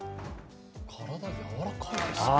体、柔らかいですね。